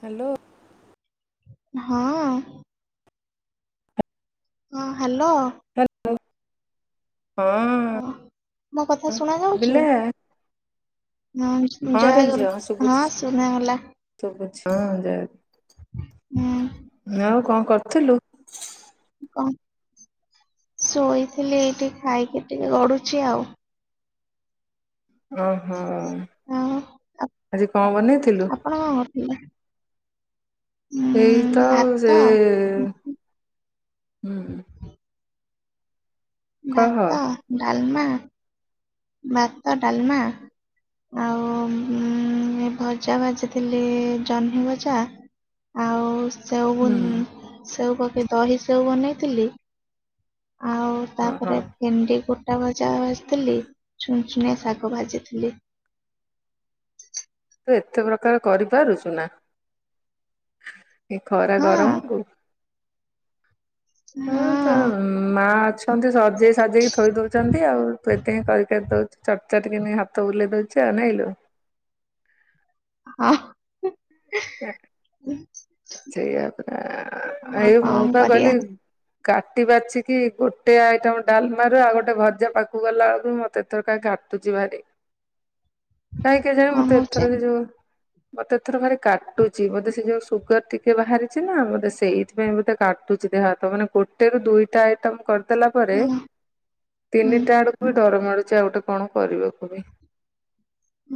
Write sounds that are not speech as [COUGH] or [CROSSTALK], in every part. Hello ହଁ। ହଁ hello ହା ଲୋ ଓ ମୋ କଥା ଶୁଣା ଯାଉଛି ବିଲା ହଁ ହଁରେ ଜୟଗୁରୁ ହଁ ଶୁଣ ଗଲା ଠିକ ଅଛି ହଁ ହୁଁ ଜୟଗୁରୁ ଆଉ କଣ କରୁଥିଲୁ କଣ ଶୋଇଥିଲି ଏଇଠି ଖାଇକି ଟିକେ ଗଡୁଛି ଆଉ ଓହୋ ଆଉ ଆପ- ଆଜି କଣ ବନେଇଥିଲୁ ଆପଣ କଣ କରୁଥିଲେ? ଉଁ ଏଇ ତ ଆଉ ଭାତ ସେ ହୁଁ। କହ ଭାତ ହୁଁ ଡାଲମା ଭାତ ଡାଲମା। ଆଉ ଭଜା ଭାଜିଥିଲି ଜହ୍ନି ଭଜା। ଆଉ ସେଉ ବୁନ୍ ସେଉ ପକେଇ ଦହି ସେଉ ବନେଇଥିଲି ଆଉ ହଁ ହଁ। ତାପରେ ଭେଣ୍ଡି ଗୋଟା ଭଜା ଭାଜିଥିଲି ଛୁନ୍‌ ଛୁନିଆ ଶାଗ ଭାଜିଥିଲି। ତୁ ଏତେ ପ୍ରକାର କରିପାରୁଛୁ ନା ଏ ଖରା ହଁ ଗରମ କୁ ହଁ ତ ମା ଅଛନ୍ତି ସଜେଇ ସଜେଇକି ଥୋଇ ଦଉଛନ୍ତି ଆଉ ତୁ ଏତିକି କରି କରି ଦଉ ଚଟ ଚାଟେ କିନି ହାତ ବୁଲେଇ ଦଉଚୁ ଆଉ ନାଇଁଲୋ। ହଁ। [INAUDIBLE] ସେ [UNINTELLIGIBLE] ସେଇଆ ପରା [UNINTELLIGIBLE] ଆଉ ଏଇ ମୁଁ କଣ ପା କରିବା କଲି କାଟି ବାଛିିକି ଗୋଟେ ଆଇଟମ୍ ଡ଼ାଲମା ରୁ ଆଉ ଗୋଟେ ଭଜା ପାଖକୁ ଗଲାବେଳକୁ ମୋତେ ତ କାହିଁ କାଟ୍ ତୁଜିି ଭାଟି [UNINTELLIGIBLE] [UNINTELLIGIBLE] କାହିଁ କେଜାଣି କଣ ମତେ ହଉଛି ଏଥର [INAUDIBLE] କିଜୁ [UNINTELLIGIBLE] ମତେ ଏଥର ଭାରି କାଟୁଚି ମୋତେ ସେ [INAUDIBLE] ଯେଉଁ ସୁଗାର ଟିକେ ବାହାରିଛି ନା ମୋତେ ସେଇଥିପାଇଁ ବୋଧେ କାଟୁଚି ଦେହ ହାତ ମାନେ ପୋ [UNINTELLIGIBLE] ଦୁଇଟା ଆଇଟମ୍ କରି ଦେଲା ପରେ ହଁ ହୁଁ ତିନିଟା ଆଡ଼କୁ ବି ଡର ମାଡ଼ୁଛି ଆଉ ଗୋଟେ କଣ କରିବାକୁ ବି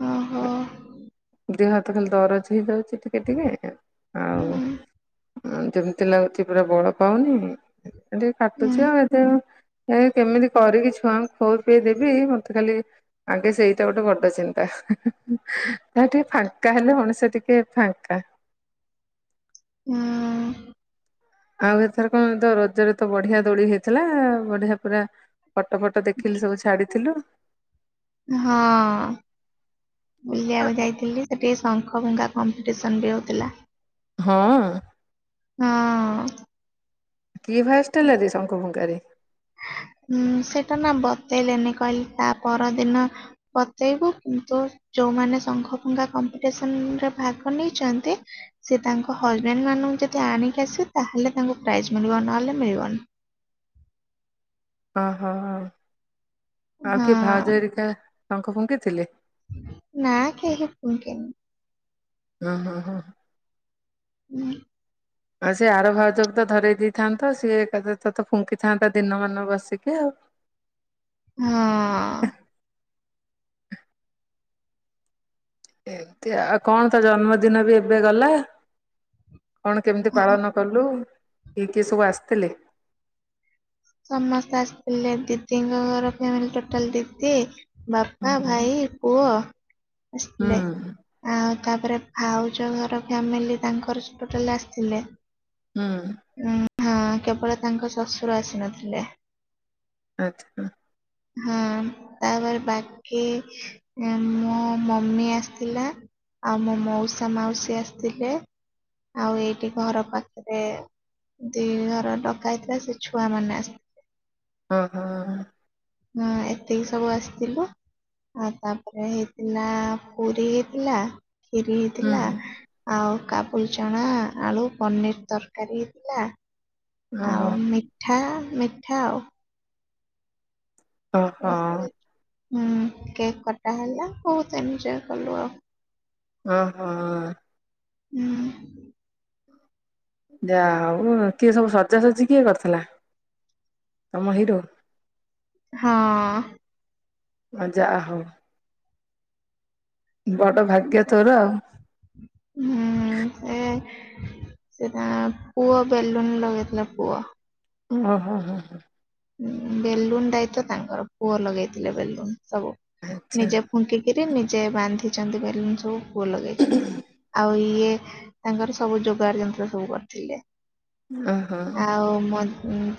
ଓହୋ। [INAUDIBLE] ଦେହ ହାତ ଖାଲି ଦରଜ ହେଇଯାଉଛି ଟିକେ ଟିକେ [UNINTELLIGIBLE] ହୁଁ ଯେମିତି ଲାଗୁଛି ପୁରା ବଳ ପାଉନି। କିନ୍ତୁ ହୁଁ କାଟୁଛି ଆଉ କେମିତି କରିକି ଛୁଆଙ୍କୁ ଖୋଇ ପେଇ ଦେବି ମତେ ଖାଲି ଆଗେ ସେଇଟା ଗୋଟେ ବଡ଼ ଚିନ୍ତା। [UNINTELLIGIBLE] ଯାହା ଟିକେ ଫାଙ୍କା ହେଲେ ମଣିଷ ଟିକେ ଫାଙ୍କା। ହୁଁ ଆଉ ଏଥର କଣ ତ ରଜରେ ତ ବଢ଼ିଆ ଦୋଳି ହେଇଥିଲା ବଢ଼ିଆ ପୁରା ଫଟୋ [INAUDIBLE] ଫଟ ଦେଖିଲି ସବୁ ଛାଡିଥିଲୁ ହଁ ବୁଲିବାକୁ ଯାଇଥିଲି ସେଠି ଶଙ୍ଖ ଭଙ୍ଗା କମ୍ପିଟିସନ୍ ବି ହଉଥିଲା। ହଁ ହଁ [UNINTELLIGIBLE] କିଏ ଫାର୍ଷ୍ଟ ହେଲା ବେ ଶଙ୍ଖ ଫୁଙ୍କାରେ ଉଁ ସେଇଟା ନା ବତେଇଲେନି କହିଲେ ତା ପରଦିନ ବତେଇବୁ। କିନ୍ତୁ ଯୋଉମାନେ ଶଙ୍ଖ ଫୁଙ୍କା କମ୍ପିଟିସନ୍ ରେ ଭାଗ ନେଇଛନ୍ତି? ସେ ତାଙ୍କ ହଜ୍ବେଣ୍ଡ [UNINTELLIGIBLE] ମାନଙ୍କୁ ଯଦି ଆଣିକି ଆସିବେ ତାହେଲେ ତାଙ୍କୁ ପ୍ରାଇଜ୍ ମିଳିବ ନହେଲେ ମିଳିବନି। ଓହୋ ହ [UNINTELLIGIBLE] ଆଉ କିଏ ହଁ ଭାଉଜ ହରିକା ଶଙ୍କ ଫୁଙ୍କିଥିଲେ? ନା କେହି ଫୁଙ୍କି କେନି। [UNINTELLIGIBLE] ହଁ ହଁ ହଁଁ ହୁଁ ଆଉ ସିଏ ଆର ଭାଉଜକୁ ତ ଧରେଇ ଦେଇଥାନ୍ତ ସିଏ ଏକା ଥରେ ତ ଫୁଙ୍କିଥାନ୍ତା ଦିନମାନ ବସିକି ଆଉ ହଁ ଏମତି ଆଉ କଣ ତା ଜନ୍ମଦିନ ବି ଏବେ ଗଲା? କଣ କେମିତି ପାଳନ କଲୁ। କିଏ କିଏ ସବୁ ଆସିଥିଲେ? ସମସ୍ତେ ଆସିଥିଲେ। ଦିଦିଙ୍କ ଘର ଫ୍ୟାମିଲି ଟୋଟାଲ ଦିଦି ବାପା, ହୁଁ ଭାଇ, ପୁଅ ଆସିଥିଲେ ହୁଁ ଆଉ ତାପରେ ଭାଉଜ ଘର ଫ୍ୟାମିଲି ତାଙ୍କର ସୁ ଟୋଟାଲ ଆସିଥିଲେ। ହୁଁ ଉ ହଁ କେବଳ ତାଙ୍କ ଶ୍ୱଶୁର ଆସି ନଥିଲେ। ଆଚ୍ଛା ହ [INAUDIBLE] ହଁ [INAUDIBLE] ତାପରେ ବାକି [UNINTELLIGIBLE] ମୋ ମମି ଆସିଥିଲା। ଆଉ ମୋ ମଉସା [UNINTELLIGIBLE] ମାଉସୀ ଆସିଥିଲେ। ଆଉ ଏଇଠି ଘର ପାଖରେ ଦି ଘର ଡକା ହେଇଥିଲା। ସେ ଛୁଆ ମାନେ ଆସିଥି ଅଁ ହଁ ହଁ ଏତିକି ସବୁ ଆସିଥିଲୁ। ଆଉ ତାପରେ ହେଇଥିଲା ପୁରୀ ହେଇଥିଲା ଖିରି ହୁଁ ହେଇଥିଲା। ଆଉ କାବୁଲି ଚଣା, ଆଳୁ, ପନିର ତରକାରୀ ହେଇଥିଲା। ଆଉ ଓହୋ। ମିଠା ମିଠା ଆଉ। ଓହୋ। ହୁଁ କେକ୍ କଟା ହେଲା ବହୁତ ଏନଜୟ କଲୁ ଆଉ। ଅଁହଁ। ହୁଁ। ଯା ହଉ କିଏ ସବୁ ସଜାସଜି କିଏ କରିଥିଲା? ତମ ହିରୋ। ହଁ। ଆ ଯା ହଉ। ବଡ ଭାଗ୍ୟ ତୋର। ହୁଁ ଏଁ। ସେ ତା ପୁଅ ବେଲୁନ ଲଗେଇଥିଲା ପୁଅ। ଓହୋ ହଁ ହଁ ଉଁ ବେଲୁନ ଦାୟିତ୍ଵ ତାଙ୍କର ପୁଅ ଲଗେଇଥିଲେ ବେଲୁନ ସବୁ ଆଚ୍ଛା ନିଜେ ଫୁଙ୍କିକିରି ନିଜେ ବାନ୍ଧିଚନ୍ତି ବେଲୁନ ସବୁ ପୁଅ ଲଗେଇଚନ୍ତି ଆଉ ଇ ଇଏ ତାଙ୍କର ସବୁ ଯୋଗାଡ଼ ଯନ୍ତ୍ର ସବୁ କରିଥିଲେ। ଓହୋ ଆଉ ମୋ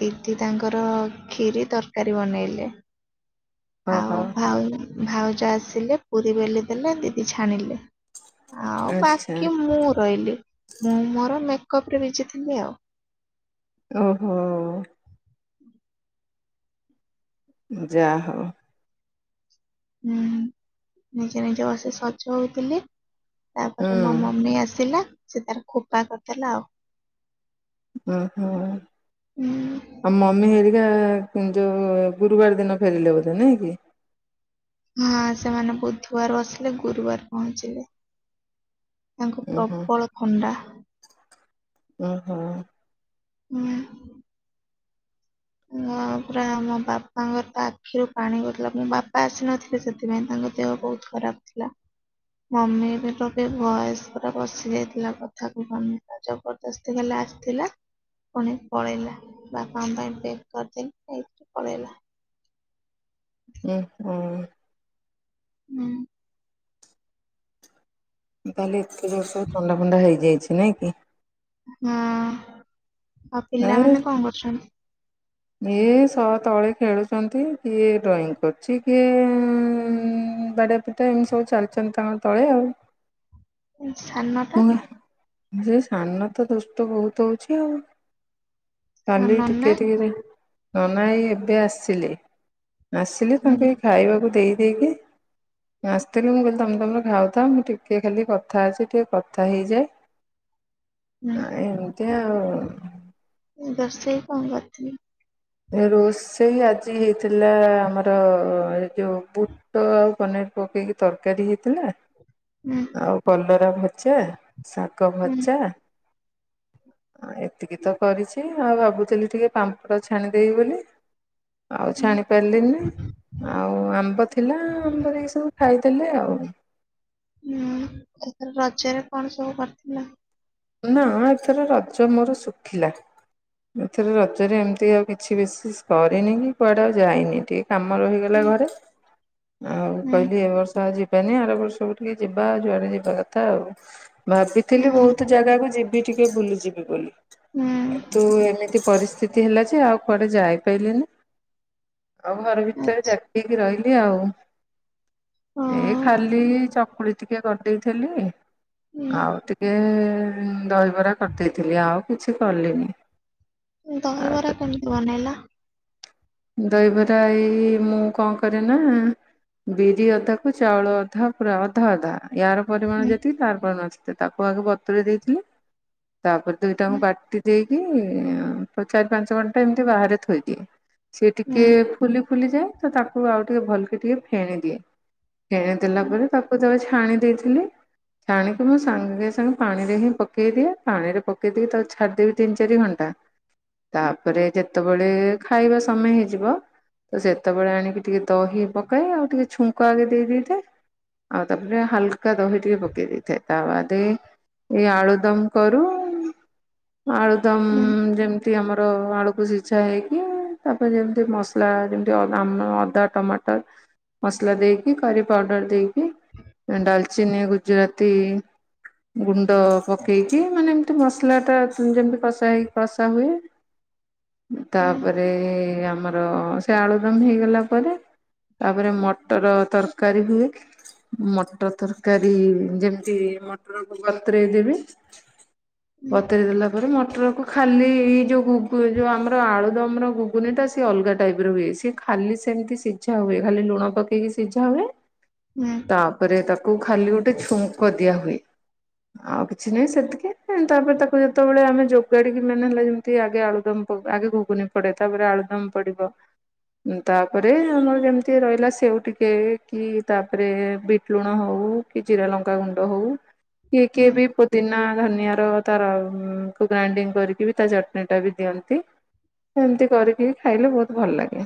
ଦିଦି ତାଙ୍କର ର ଖିରି, ତରକାରୀ ବନେଇଲେ ଆଉ ଓହୋ ଭାଉ ଭାଉଜ ଆସିଲେ ପୁରୀ ବେଲି ଦେଲେ ଦିଦି ଛାଣିଲେ। ଆଉ ଆଚ୍ଛା ବାକି ମୁଁ ରହିଲି ମୁଁ ମୋର ମେକଅପ ରେ ବିଜିଥିଲି ଆଉ। ଓହୋ। ଯା ହଉ। ହୁଁ ନିଜେ ନିଜେ ବସି ସଜ ହଉଥିଲି। ତାପରେ ହୁଁ ମୋ ମମି ଆସିଲା ସେ ତାର ଖୋପା କରିଦେଲା ଆଉ। ଉଁ ହୁଁ। ହୁଁ ଆଉ ମମି ହେରିକା ଯୋଉ ଗୁରୁବାର ଦିନ ଫେରିଲେ ବୋଧେ ନାଇଁ କି? ହଁ ସେମାନେ ବୁଧୁବାରୁ ଆସିଲେ ଗୁରୁବାରେ ପହଞ୍ଚିଲେ। ତାଙ୍କୁ ଉଁ ହୁଁ ପ୍ରବଳ ଥଣ୍ଡା। ଓହୋ। ହୁଁ। ହଁ ପୁରା ମୋ ବାପାଙ୍କର ତ ଆଖିରୁ ପାଣି ଗଳୁଥିଲା ମୋ ବାପା ଆସିନଥିଲେ ସେଥିପାଇଁ ତାଙ୍କ ଦେହ ବହୁତ୍ ଖରାପ ଥିଲା। ମମିର ବି ଭଏସ ପୁରା ବସି ଯାଇଥିଲା କଥା କହିପାରୁନଥିଲା ଜବର ଦସ୍ତି ଖାଲି ଆସିଥିଲା ପୁଣି ପଳେଇଲା ବାପାଙ୍କ ପାଇଁ ପେକ୍ କରିଦେଲି ନେଇକି ପଳେଇଲା। ଉଁ ହୁଁ। ହୁଁ। ତାହେଲେ ଏତେ ଜୋର ସବୁ ଥଣ୍ଡା ଫଣ୍ଡା ହେଇଯାଇଚି ନାଇଁ କି? ହଁ ଆଉ ଏ ପିଲାମାନେ କଣ କରୁଛନ୍ତି? ଇଏ ସହ ତଳେ ଖେଳୁଛନ୍ତି କିଏ ଡ୍ରଇଂ କରୁଚି କିଏ ବାଡିଆ ପିଟ୍ ପିଟା ଏମିତି ସବୁ ଚାଲିଚନ୍ତି ତାଙ୍କର ତଳେ ଆଉ। ସାନଟା ମୁଁ ସେ ସାନ ତ ଦୁଷ୍ଟ ବହୁତ ହଉଛି ଆଉ। ଆଉ କାଲି ନନା ଟିକେ ଟିକେରେ ନନା ଏଇ ଏବେ ଆସିଲେ। ଆସିଲେ ହୁଁ ତାଙ୍କୁ ଏଇ ଖାଇବାକୁ ଦେଇ ଦେଇକି ଆସିଥିଲି ମୁଁ କହିଲି ତମେ ତମର ଖାଉଥା ମୁଁ ଟିକେ ଖାଲି କଥା ଅଛି ଟିକେ କଥା ହେଇଯାଏ ହୁଁ ଆଉ ଏମିତି ଆଉ। ରୋଷେଇ କଣ କରିଥିଲେ? ରୋଷେଇ ଆଜି ହେଇଥିଲା ଆମର ଏ ଯୋଉ ବୁଟ ଆଉ ପନିର ପକେଇକି ତରକାରୀ ହେଇଥିଲା। ହୁଁ। ଆଉ କଲରା ଭଜା ଶାଗ ହୁଁ ଭଜା। ଆଉ ଏତିକି ତ କରିଛି ଆଉ ଭାବୁଥିଲି ଟିକେ ପାମ୍ପଡ ଛାଣିଦେବି ବୋଲି। ଆଉ ହୁଁ ଛାଣି ପାରିଲିନି ଆଉ ଆମ୍ବ ଥିଲା ଆମ୍ବରେ ଏ ସବୁ ଖାଇ ଦେଲେ ଆଉ। ହୁଁ ଏଥର ରଜରେ କଣ ସବୁ କରିଥିଲ? ନା ଏଥର ରଜ ମୋର ଶୁଖିଲା। ଏଥର ରଜରେ ଏମିତି ଆଉ କିଛି ବିଶେଷ କରିନି କି କୁଆଡେ ଆଉ ଯାଇନି ଟିକେ। କାମ ରହିଗଲା ହୁଁ ଘରେ ଆଉ ହୁଁ କହିଲି ଏ ବର୍ଷ ଆଜି ଜୀବନୀ ଆର ବର୍ଷକୁ ଟିକେ ଯିବା ଆଉ ଯୁଆଡେ ଯିବା କଥା ଆଉ ଭାବିଥିଲି ହୁଁ ବହୁତ ଜାଗାକୁ ଯିବି ଟିକେ ବୁଲି ଯିବି ବୋଲି ହୁଁ କିନ୍ତୁ ଏମିତି ପରିସ୍ଥିତି ହେଲା ଯେ ଆଉ କୁଆଡେ ଯାଇପାରିଲିନି। ଆଉ ଘର ଭିତରେ ଆଚ୍ଛା ଜାକି ହେଇକି ରହିଲି ଆଉ। ଏଇ ହଁ ଖାଲି ଚକୁଳି ଟିକେ କରିଦେଇଥିଲି ଆଉ ଟିକେ ଏ ଏ ଉଁ ଦହିବରା କରିଦେଇଥିଲି ଆଉ କିଛି କଲିନି। ଦହିବରା ଆଉ କେମିତି ବନେଇଲ? ଦହିବରା ଏଇ ମୁଁ କଣ କରେ ନା ବିରି ଅଧାକୁ ଚାଉଳ ଅଧା ପୁରା ଅଧା ଅଧା। ୟାର ପରିମାଣ ହୁଁ ଯେତିକି ତାର ପରିମାଣ ସେତିକି ତାକୁ ଆଗ ବତୁୁରେଇ ଦେଇଥିଲି। ତାପରେ ହୁଁ ଦୁଇଟାକୁ ବାଟି ଦେଇକି ଚାରି ପାଞ୍ଚ ଘଣ୍ଟା ଏମିତି ବାହାରେ ଥୋଇଦିଏ। ସିଏ ଟିକେ ହୁଁ ଫୁଲି ଫୁଲି ଯାଏ ତ ତାକୁ ଆଉ ଟିକେ ଭଲକି ଟିକେ ଫେଣି ଦିଏ। ଫେଣିଦେଲା ହୁଁ ପରେ ତାକୁ ଜଣେ ଛାଣି ଦେଇଥିଲେ। ଛାଣିକି ମୁଁ ସାଙ୍ଗେ ସା ସାଙ୍ଗେ ପାଣିରେ ହିଁ ପକେଇଦିଏ ପାଣିରେ ପକେଇ ଦେଇକି ତାକୁ ଛାଡିଦେବି ତିନ ଚାରି ଘଣ୍ଟା ତାପରେ ଯେତେବେଳେ ଖାଇବା ସମୟ ହେଇଯିବ ତ ସେତେବେଳେ ଆଣିକି ଟିକେ ଦହି ପକାଏ ଆଉ ଟିକେ ଛୁଙ୍କ ଆଗେ ଦେଇ ଦେଇଥାଏ। ଆଉ ତାପରେ ହଲକା ଦହି ଟିକେ ପକେଇ ଦେଇଥାଏ ତା ବାଦେ ଏଇ ଆଳୁଦମ କରୁ ଆଳୁ ଦମ ହୁଁ ଯେମିତି ଆମର ଆଳୁକୁ ସିଝା ହେଇକି ତାପରେ ଯେମିତି ମସଲା ଯେମତି ଆମ ଅଦା ଟମାଟର ମସଲା ଦେଇକି କରି ପାଉଡର ଦେଇକି ଆଁ ଡାଲଚିନି ଗୁଜୁରାତି ଗୁଣ୍ଡ ପକେଇକି ମାନେ ଏମିତି ମସଲା ଟା ଯେମିତି କଷା ହେଇକି କଷା ହୁଏ। [INAUDIBLE] ହୁଁ ତାପରେ ଏ ଆମର ସେ ଆଳୁଦମ ହେଇଗଲା ପରେ ତାପରେ ମଟର ତରକାରୀ ହୁଏ। ମଟର ତରକାରୀ ଯେମିତି ମଟରକୁ ବତରେଇ ଦେବେ। ବତୁରେଇ ଦେଲା ପରେ ମଟର କୁ ଖାଲି ଇ ଇ ଯୁ ଘୁଗୁ ଏଇ ଯୋଉ ଆମର ଆଳୁଦମର ଘୁଗୁନି ଟା ସିଏ ଅଲଗା ଟାଇପର ହୁଏ ସିଏ ଖାଲି ସେମତି ସିଝା ହୁଏ ଖାଲି ଲୁଣ ପକେଇକି ସିଝା ହୁଏ। ହୁଁ। ତାପରେ ତାକୁ ଖାଲି ଗୋଟେ ଛୁଙ୍କ ଦିଆ ହୁଏ। ଆଉ କିଛି ନାହିଁ ସେତିକି ତାପରେ ତାକୁ ଯେତେବେଳେ ଆମେ ଯୋଗାଡିକି ମାନେ ହେଲା ଯେ ତି ଆଗେ ଆଳୁଦମ ପ ଆଗେ ଘୁଗୁନି ପଡେ ତାପରେ ଆଳୁଦମ ପଡିବ। ତାପରେ ଆମର ଯେମିତି ରହିଲା ସେଉ ଟିକେ କି ତାପରେ ବିଟଲୁଣ ହଉ କି ଜିରା ଲଙ୍କା ଗୁଣ୍ଡ ହଉ କିଏ ହୁଁ କିଏ ବି ପ ଦିନା ଧନିଆର ତାର କୁ ଗ୍ରାଇଣ୍ଡିଙ୍ଗ କରିକି ବି ତା ଚଟଣିଟା ବି ଦିଅନ୍ତି। ସେମତି କରିକି ଖାଇଲେ ବହୁତ ଭଲ ଲାଗେ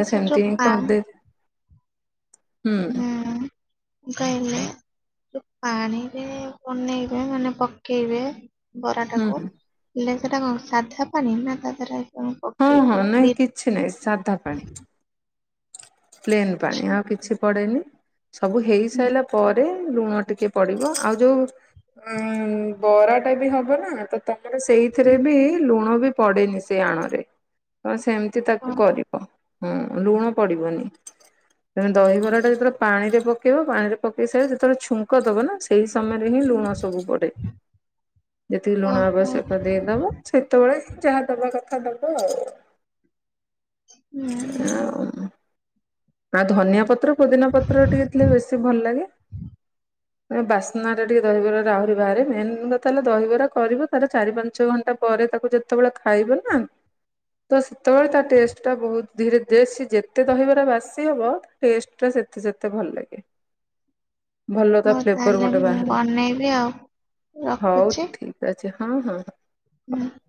ତ ଯୋଉ ସେମିତି ହିଁ ପା କରିଦେ ହୁଁ ହୁଁ। କଇଲେ ପାଣିରେ ବନେଇବେ ମାନେ ପକେଇବେ ବରା ହୁଁ ଟାକୁ ହେଲେ ସେଟା କଣ ସାଧା ପାଣି ନା ତା ଦେହରେ କଣ ହଁ ହଁ ପକେଇବେ ନାଇଁ ବିଟ୍ କିଛି ନାଇଁ ସାଧା ପାଣି। ପ୍ଲେନ ପାଣି ଆଉ କିଛି ପଡେନି ସବୁ ହୁଁ, ହେଇସାରିଲା ପରେ ଲୁଣ ଟିକେ ପଡିବ ଆଉ ଯୋଉ ଉଁ ଉଁ ବରାଟା ବି ହବ ନା ତ ତାଙ୍କର ସେଇଥିରେ ହୁଁ, ବି ଲୁଣ ବି ପଡେନି ସେ ଆଣ ରେ। ହଁ ସେମିତି ହଁ, ତାକୁ କରିବ ହୁଁ ଲୁଣ ପଡିବନି। [UNINTELLIGIBLE] ତମେ ଦହିବରା ଟା ଯେତେବେଳେ ପାଣିରେ ପକେଇବ ପାଣିରେ ପକେଇ ସାରି ଯେତେବେଳେ ଛୁଙ୍କ ଦବ ନା ସେହି ସମୟରେ ହିଁ ଲୁଣ ସବୁ ପଡ଼େ। [UNINTELLIGIBLE] ଯେତିକି ଲୁଣ ଓହୋ ଆବଶ୍ୟକ ଦେଇଦବ ସେତେବେଳେ ଯାହା ଦବା କଥା ଦବ ଆଉ। ହୁଁ, ଆଉ। ଆଉ ଧନିଆ ପତ୍ର ପୋଦିନା ପତ୍ର ଟିକେ ଥିଲେ ବେଶୀ ଭଲ ଲାଗେ। [UNINTELLIGIBLE] ଏ ବାସ୍ନା ଟା ଟିକେ ଦହିବରା ଆହୁରି ବାହାରେ ମେନ୍ କଥା ହେଲା ଦହିବରା କରିବ ତାର ଚାରି ପାଞ୍ଚ ଘଣ୍ଟା ପରେ ତାକୁ ଯେ ଯେତେବେଳେ ଖାଇବ ନା ତ ସେତେବେଳେ ତା ଟେଷ୍ଟ ଟା ବହୁତ ଧୀରେ ଧରେ ଯେତେ ଦହିବାର ବାସ୍ ହବ ଟେଷ୍ଟ ଟା ସେତେ ସେତେ ଭଲ ଲାଗେ। ଭଲ ତା ହଉ ଫ୍ଲେବର ତାହେଲେ ଗୋଟେ ମୁଁ ବନେଇବି ଆଉ ବାହାରୀଲା ହଉ ରଖୁଛି ଠିକ ଅଛି ହଁ ହଁ। [UNINTELLIGIBLE]